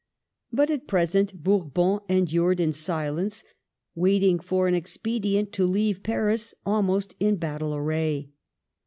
But at present Bourbon endured in silence, waiting for an expedient to leave Paris almost in battle array.